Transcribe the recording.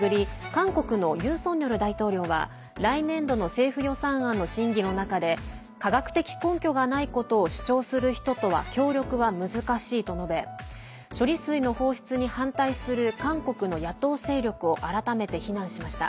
韓国のユン・ソンニョル大統領は来年度の政府予算案の審議の中で科学的根拠がないことを主張する人とは協力は難しいと述べ処理水の放出に反対する韓国の野党勢力を改めて非難しました。